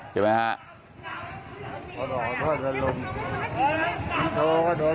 ใช่ไหมครับ